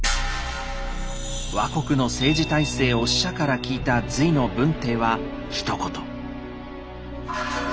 倭国の政治体制を使者から聞いた隋の文帝はひと言。